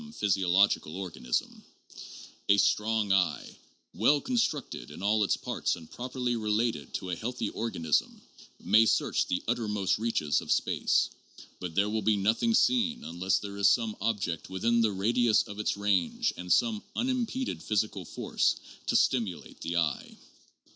THE METAPHYSICAL STATUS OF SENSATIONS 171 structed in all its parts and properly related to a healthy organism, may search the uttermost reaches of space ; but there will be nothing seen unless there is some object within the radius of its range and some unimpeded physical force to stimulate the eye.